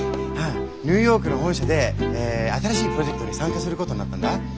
ニューヨークの本社で新しいプロジェクトに参加することになったんだ。